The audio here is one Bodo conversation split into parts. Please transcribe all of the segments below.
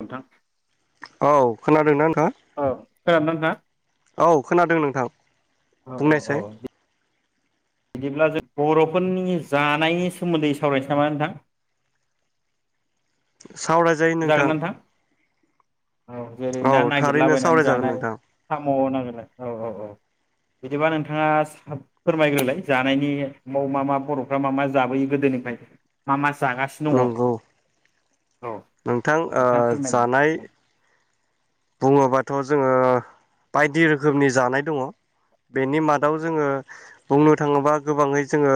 नोंथां औ खोनादोंना नोंथाङा खोनादों ना थां औ खोनादों नोंथां औ औ औ बुंनायसाय बिदिब्ला जों बर'फोरनि जानायनि सोमोन्दै सावरायसै नामा नोंथां? सावरायजायो जागोन नोंथां। ना औ जेरै ना थारैनो नागिरलाबायनानै सावरायजागोन जानाय नोंथां साम' ना औ औ बिदिबा नोंथाङा फोरमायग्रोलाय जानायनि माव मा मा बर'फ्रा मा मा जाबोयो गोदोनिफाय मा मा जागासिनो दङ नंगौ औ नोंथां ओ नोंथाङा फोरमायलाय जानाय बुङोबाथ' जोङो बायदि रोखोमनि जानाय दङ बेनि मादाव जोङो बुंनो थाङोबा गोबाङै जोङो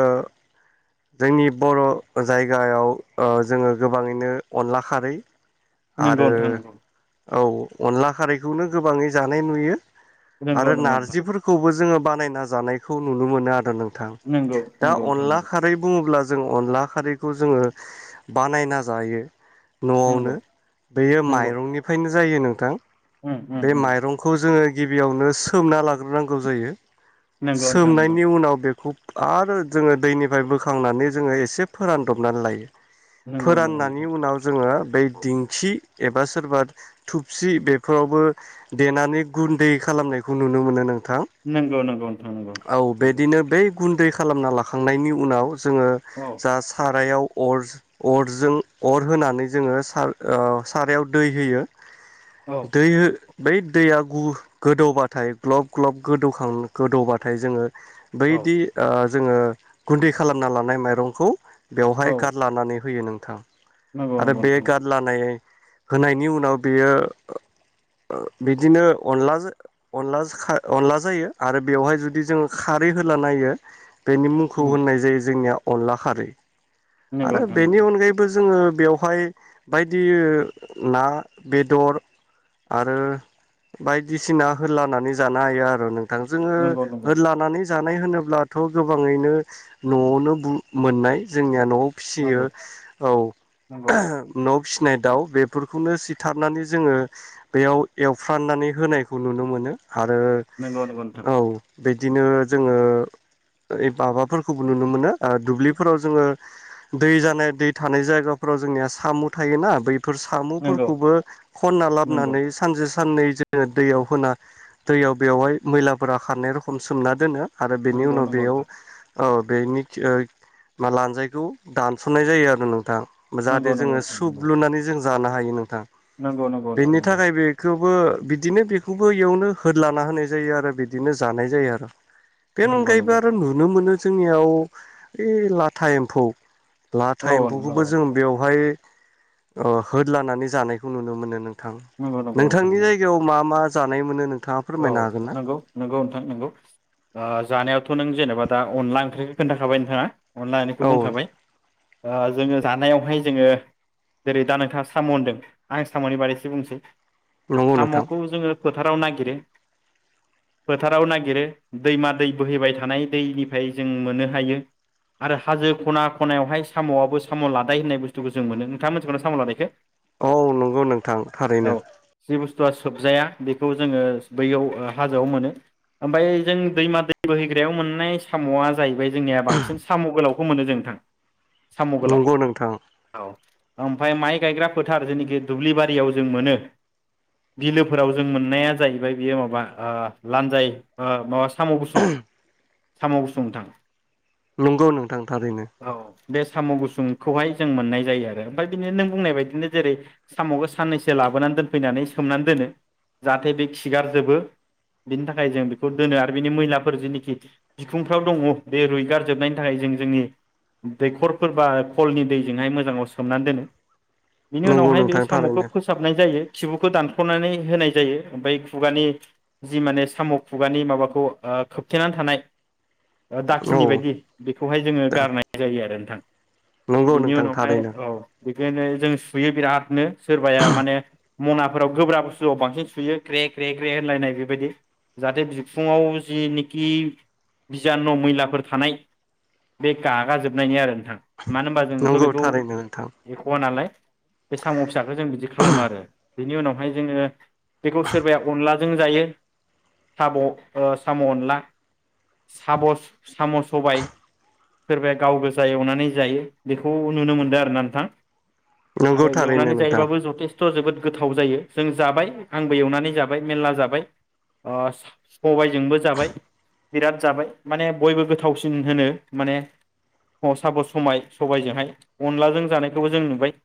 जोंनि बर' जायगायाव ओ जोङो गोबाङैनो अनला खारै नंगौ आरो नोथां नंगौ। औ। अनला खारैखौनो गोबाङै जानाय नुयो। नंगौ आरो नंगौ नारजिफोरखौबो जोङो बानायना जानायखौ नुनो मोनो आरो नों थां नोंथां नंगौ दा नंगौ नोंथां अनला नंगौ खारै बुङोब्ला जों अनला खारैखौ जोङो बानायना जायो । नंगौ न'आवनो बेयो नंगौ माइरंनिफ्रायनो जायोनो। थां। उम उम बे उम माइरंखौ जोङो गिबियावनो सोमना लाग्रोनांगौ जायो। नंगौ नोंथां नंगौ सोमनायनि उनाव बेखौ आरो जोङो दैनिफ्राय बोखांनानै जोङो एसे फोरानदबनानै लायो। नंगौ नंगौ फोराननायनि नोंथां उनाव जोङो बै दिंखि एबा सोरबा थु स्रि बेफोरावबो देनानै गुन्दै खालामनायखौ नुनो मोनो नों नंगौ नंगौ नोंथां नंगौ नंगौ। बिदिनो बै गुन्दै खालामना लाखांनायनि उनाव जोङो औ जा सारायाव अर अरजों अर होनानै जोङो ओ सारायाव दै होयो। औ दै हो बै दैया गु गोदौबाथाय ग्लब ग्लब गोदौखां गोदौबाथाय जोङो बै दि औ ओ जोङो गुन्दै खालामना लानाय माइरंखौ बेवहाय औ गार लानानै होयो नों थां। नंगौ आरो नंगौ बे नोंथां गारलानाय होनायनि उनाव बेयो बिदिनो अनला अनला अनला जायो आरो बेवहाय जुदि जोङो खारै होलाना होयो बेनि मुंखौ उम होननाय जायो जोंनियाव अनला खारि । नंगौ आरो नोंथां बेनि अनगायैबो जोङो बेवहाय बायदि ना बेदर आरो बायदिसिना ह्लोनानै जानो हायो आरो नों थां जोङो नंगौ नंगौ हो लानानै जानाय होनोब्लाथ' गोबाङैनो न'आवनो मोननाय जोंनिया न'आव फिसियो नंगौ औ नंगौ न' फिसिनाय दाउ बेफोरखौनो सिथारनानै जोङो बेयाव एवफ्राननानै होनायखौ नुनो मोनो। आरो नंगौ नंगौ नोंथां औ। बिदिनो जोङो ओ माबाफोरखौबो नुनो मोनो दुब्लिफोराव जोङो दै जानाय दै थानाय जायगाफोराव जोंनिया साम' थायोना बै फोर नंगौ सामुफोरखौबो खनना ला नंगौ नानै सानसे साननै जोङो दैयाव होना दैयाव बेवहाय मैलाफोरा खारनाय रोखम सोमना दोनो। आरो बेनि नंगौ उनाव नंगौ बेयाव नोंथां औ बेनि जे ओ लानजायखौ दानसननाय जायो आरो नोंथां। नंगौ जाहाथे नंगौ जोङो नोंथां सुबब्लुनानै जों जानो हायो नोंथां। नंगौ नंगौ नोंथां बेनि थाखाय बेखौ बो बिदिनो बेखौबो इयावनो होदलाना होनाय जायो आरो बिदिनो जानाय जायो आरो। बेन नंगौ नंगौ अनगायैबो आरो नुनो मोनो जे जोंनियाव ओइ लाथा एम्फौ औ लाथा नोंथां एम्फौखौबो औ जों बेवहाय ओ होद लानानै जानायखौ नुनो मोनो नों थां नंगौ नंगौ नोंथां नोंथांनि नंगौ जायगायाव मा मा जानाय मोनो नों औ नंगौ नंगौ नोंथां नंगौ ओ जानायाव थ नों जेनबा अनला ओंख्रिखौ खोन्थाखाबाय नोंथाङा। अनलानायखौ औ बुंखाबाय ओ जोङो जानायावहाय जोङो जेरै दा नोंथाङा साम होनदों आं साम नि बागै एसे बुंनोसै। नंगौ साम नोंथां खौ जोङो फोथाराव नागिरो। फोथाराव नागिरो दैमा दै बोहैबाय थानाय दैनिफ्राय जों मोननो हायो आरो हाजो खना खनायावहाय साम आबो साम लादाय होननाय बुस्थुखौ जों मोनो नोंथां मोनथिगौना साम लादायखो औ नंगौ नोंथां थारैनो। आ सोबजाया बेखौ जोङो बैयाव हाजोआव मोनो ओमफ्राय जोङो दैमा दै बोहैग्रायाव मोननाय सामआ जाहैबाय जोंनिया बांसिन साम गोलाव खौ मोनो जों नोंथां साम गोलाव नंगौ नोंथां औ ओमफाय माइ गायग्रा फोथार जेनाखि दुब्लिबारियाव जों मोनो बिलोफोराव जों मोननाया जाहैबाय बेयो माबा ओ लान्जाय माबा मस साम गुसुं साम गुसुं नोंथां नंगौ नोंथां थारैनो औ बे साम गुसुंखौहाय जों मोननाय जायो आरो ओमफ्राय बिदिनो नों बुंनाय बायदिनो जेरै सामखो साननैसो लाबोनानै दोनफैनानै सोमनानै दोनो जाहाथे बे खिगारजोबो बिनि थाखाय जों बेखौ दोनो आरो बिनि मैलाफोर जेनोखि बिखुंफ्राव दङ बे रुइगार जोबनायनि थाखाय जों जोंनि दैखरफोरबा खलनि दैजोंहाय मोजाङाव सोमनानै दोनो बिनि नंगौ उनावहाय बे नोंथां सामखौ थारैनो फोसाबनाय जायो खिबुखौ दानख नानै होनाय जायो ओमफाय खुगानि जि माने साम खुगानि माबाखौ खोबथेनानै थानाय ओ औ दाखिनि बायदि बेखौहाय जोङो दा गारनाय जायो आरो थां नंगौ नोंथां थारैनो बिखानो जों सुयो बिरादनो सोरबाया माने मनाफोराव गोब्राब बुस्थुआव बांसिन सुयो ग्रेग ग्रे ग्रे होनलायनाय बेबायदि जाहाथे बिखुङाव जिनोखि बिजान' मैलाफोर थानाय बे गागा जोबनायनि आरो नोंथां मानो होनबा जोङोथ' नंगौ बेखौ थारैनो नोंथां एख'वा नालाय बे साम' फिसाखो जों बिदि खालामो आरो बिनि उनावहाय जोङो बेखौ सोरबाया अनलाजों जायो साम' ओ साम' अनला साम' साम' सबाय सोरबाया गाव गोजा एवनानै जायो बेखौ नुनो मोनदों आरो ना नोंथां। नंगौ आरो थारैनो एवनानै नोंथां जायोबाबो जथेस्थ' जोबोद गोथाव जायो जों जाबाय आंबो एवनानै जाबाय मेरला जाबाय ओ सा सबाइजोंबो जाबाय। बिराद जाबाय माने बयबो गोथावसिन होनो माने स साब' समाय सबायजोंहाय अनलाजों जानायखौबो जों नुबाय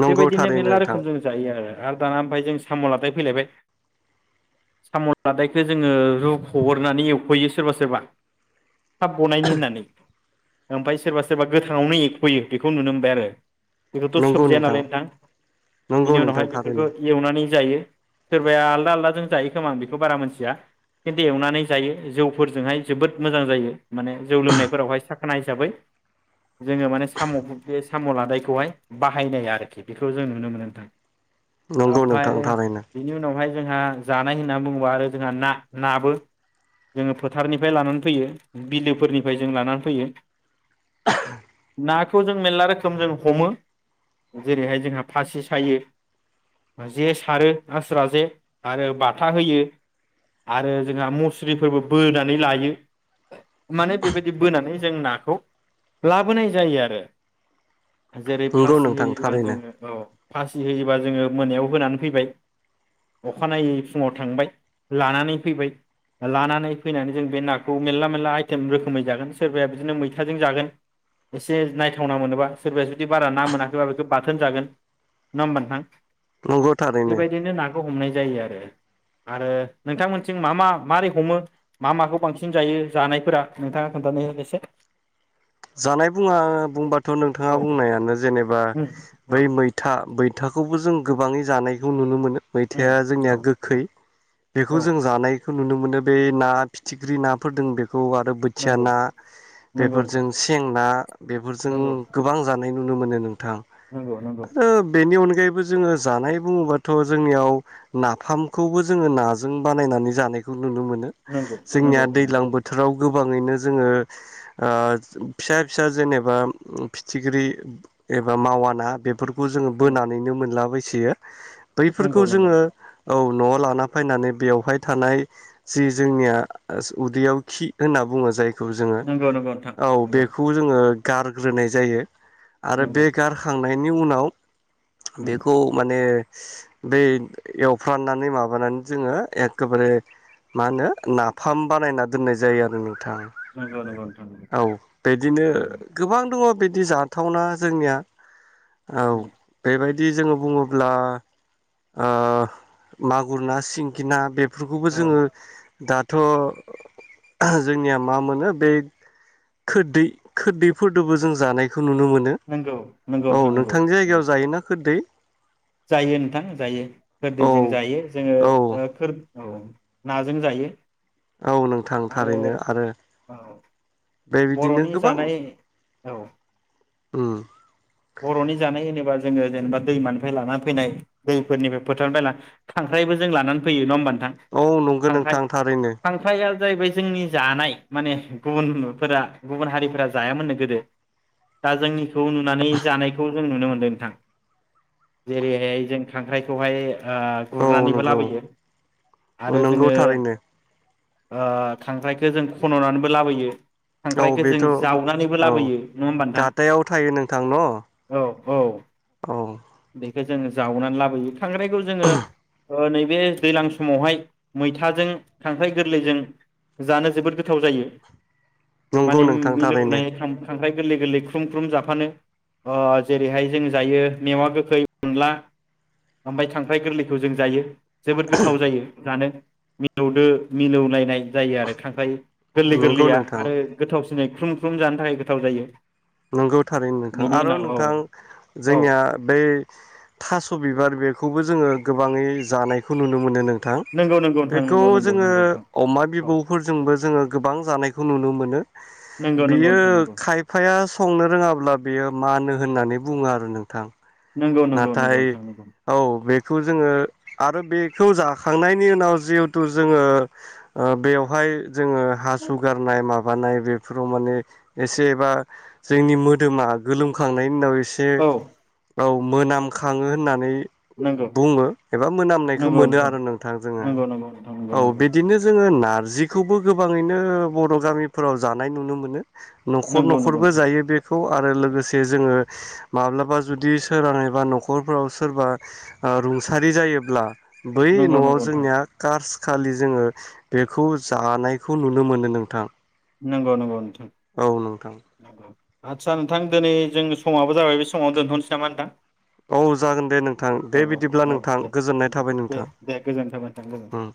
नंगौ बेबायदिनो थारैनो मेरला नोंथां रोखोम जों जायो आरो आरो दाना ओमफाय जों साम' लादाय फैलायबाय। साम' लादायखो जोङो रुख'ग्रोनानै एवखयो सोरबा सोरबा। थाब गनायनि होननानै ओमफाय सोरबा सोरबा गोथाङावनो एख्लयो बेखौ नुनो मोनबाय आरो। बेखौथ' सोबजाया नालाय नोंथां। नंगौ बिनि नोंथां उनावहाय बेफोरखौ थारैनो एवनानै जायो। सोरबाया आलदा आलदाजों जायो खोमा आं बेखौ बारा मोनथिया खिन्थु एवनानै जायो जौफोरजोंहाय जोबोद मोजां जायो माने जौ लोंनायफोरावहाय साखोना हिसाबै जोङो माने साम' बे साम' लादायखौहाय बाहायनाय आरोखि बेखौ जों नुनो मोनो नोंथां। नंगौ नोंथां ओमफाय थारैनो बिनि उनावहाय जोंहा जानाय होननानै बुङोबा आरो जोंहा ना नाबो जोङो फोथारनिफ्राय लानानै फैयो बिलोफोरनिफ्राय जों लानानै फैयो नाखौ जों मेलला रोखोम जों हमो जेरैहाय जोंहा फासि सायो जे सारो आस्रा जे आरो बाथा होयो आरो जोंहा मुस्रिफोरबो बोनानै लायो जेरै नंगौ फासि नोंथां होयोबा थारैनो जोङो औ फासि होयोबा जोङो मोनायाव होनानै फैबाय अखानायै फुङाव थांबाय लानानै फैबाय लानानै फैनानै जों बे नाखौ मेलला मेलला आइथेम रोखोमै जागोन सोरबाया बिदिनो मैथाजों जागोन एसे नायथावना मोनोबा सोरबाया जुदि बारा ना मोनाखैबा बेखौ बाथोन जागोन नङा होमबा नोंथां? नंगौ थारैनो बेबायदिनो नाखौ हमनाय जायो आरो आरो नोंथांमोनथिं मा मा माबारै हमो मा माखौ बांसिन जायो जानायफोरा नोंथाङा खोन्थानाय एसे जानाय बुङा बुंबाथ' औ नोंथाङा बुंनायानो जेनेबा उम औ बै मैथा बै थाखौबो जों गोबाङै जानायखौ नुनो मोनो मैथाया उम औ जोंनिया औ गोखै बेखौ औ जों जानायखौ नुनो मोनो बे ना फिथिख्रि नाफोर दों बेखौ खौ आरो बोथिया नंगौ ना नंगौ बेफोर नोंथां जों सें ना बेफोरजों नंगौ गोबां जानो नुनो मोनो नों थां नंगौ नंगौ आरो बेनि अनगायैबो जोङो जानाय बुङोबाथ' जोंनियाव नाफामखौबो जोङो नाजों बानायनानै जानायखौ नुनो मोनो नंगौ जोंनिया नंगौ नोंथां दैज्लां नंगौ बोथोराव गोबांङैनो जोङो ओ फिसा फिसा जेनेबा फिथिख्रि एबा मावा ना बेफोरखौ खौ जोङो उम बोनानैनो मोनलाबाय सोयो बैफोरखौ नंगौ नंगौ जोङो औ न'आव लाना फैनानै बेवहाय थानाय जि जोंनिया उदैयाव खि होनना बुङो जाय नंगौ नंगौ नोंथां औ नंगौ बेखौ जोङो ओ गारग्रोनाय जायो आरो नंगौ बे गारखां नायनि उनाव उम बेखौ माने बै एवफ्राननानै माबानानै जोङो एखेबारे मा होनो नाफाम बानायना दोननाय जायो आरो नों नोंगौ नोंगौ नोंथां नंगौ औ बिदिनो नंगौ गोबां दङ बिदि बिदि जाथावना जोंनिया औ उम बेबायद बिदि जोङो बुङोब्ला ओ मागुर ना सिंगि ना बे बेफोरखौबो औ जोङो दाथ' जोंनिया मा मोनो बे खोरदै खोरदैफोरजोंबो जों जानायखौ खौ नुनो मोनो नंगौ नंगौ औ नोंथां नंगौ नोंथांनि नंगौ जायगायाव जायोना खोरदै? जायो नोंथां जायो औ खोरदैजों जायो जोङो औ ओ खोर औ नाजों जायो। औ नोंथां आरो थारैनो आरो औ बेबायदिनो बर'नि गोबां जानाय औ उम। बर'नि जानाय होनोबा जोङो जेनेबा दैमानिफ्राय लानानै फैनाय दैफोरनिफ्राय फोथारनिफ्राय ला खांख्राइबो जों लानानै फैयो नंङा होमबा नों औ नंगौ खांख्राइ नोंथां थारैनो खांख्राइआ जाहैबाय जोंनि जानाय माने गुबुन फोरा गुबुन हारिफोरा जायामोननो गोदो दा जोंनिखौ नुनानै जानायखौ जों नुनो मोन्दों नोंथां जेरैहाय जों खांख्राइखौहाय ओ औ गुरनानैबो नंगौ लाबोयो आरो नंगौ जोङो थारैनो ओ खांख्राइखो जों खन'नानैबो लाबोयो। औ खांख्राइखौ जों बेथ' जावनानैबो औ लाबोयो नङा होमबा नोंथां? गाथायाव थायो नोंथां न' औ औ औ बे बे जों जावनानै लाबोयो खांख्राइखौ जोङो ओ नैबे दैलां समावहाय मैथाजों खांख्राइ गोरलैजों जानो जोबोद गोथाव जायो। नंगौ माने नोंथां थारैनो मिलौनाय फ्राम फ्राम। ओमफ्राय गोरलै गोरलै ख्रुम ख्रुम जाफानो। अ जेरैहाय जों जायो मेवा गोखै अनला ओमफ्राय खांख्राय गोरलैखौ जों जायो। जोबोद गोथाव जायो जानो। मिलौदो मिलौलायनाय। जायो आरो खांख्राइ गोरलै नंगौ गोरलैया नोंथां आरो गोथावसि दिनै ख्रुम ख्रुम जानो थाखाय गोथाव जायो। नंगौ। थारैनो नोंथां बेनि आरो उनाव औ नोंथां औ जोंनिया बै थास' बिबार बे खौबो जोङो गोबाङै जानायखौ नुनो मोनो नों थां नंगौ नंगौ नोंथां बेखौ नंगौ नंगौ जोङो नंगौ नोंथां अमा औ बिबौफोरजोंबो जोङो गोबां जानाय खौ नुनो मोनो। नंगौ नंगौ बेयो नोंथां नंगौ खायफाया नो रोङाब्ला बेयो मानो होननानै बुङो आरो नोंथां। नंगौ नंगौ नंगौ नाथाय नोंथां नंगौ औ बे खौ जोङो आरो बेखौ जाखांनायनि उनाव जिहेथु जोङो ओ- बेवहाय। जोङो हासु गारनाय माबा माबानाय बेफोराव माने एसेबा जोंनि मोदोमा गोलोमखांनायनि उनाव। एसे औ औ मोनामखाङो होननानै नंगौ । बुङो एबा मोनामनायखौ मोनो आरो नोंथां जोङो नंगौ नंगौ नोंथां औ बिदिनो जोङो ना नार्जिखौबो गोबाङैनो बर' गामिफोराव जानाय नुनो मोनो। न'खर नंगौ नंगौ न'खरबो नोंथां जायो बे खौ आरो लोगोसे जोङो माब्लाबा जुदि । सोरां एबा न'खरफोराव सोरबा ओ- रुंसारि जायोब्ला । बै नंगौ न'आव नंगौ नोंथां जोंनिया कार्स खालि जोङो बेखौ जानायखौ नुनो मोनो नोंथां। नंगौ नंगौ नोंथां औ नोंथां। । आदसा नोंथां दिनै जों समावाबो जाबाय बे समावनो दोनथ'नोसै नामा नोंथां? औ जागोन दे नोंथां औ दे बिदिब्ला औ नोंथां औ गोजोननाय दे थाबाय दे नोंथां दे गोजोनथों नोंथां गोजोनथों उम।